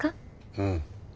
うん。